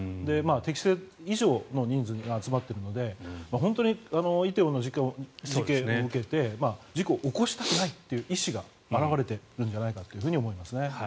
適正以上の人数が集まっているので本当に梨泰院の事件を受けて事故を起こしたくないという意思が表れているんじゃないかと思いますね。